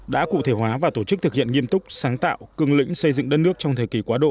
đã cụ thể hóa và tổ chức thực hiện nghiêm túc sáng tạo cưng lĩnh xây dựng đất nước trong thời kỳ quá độ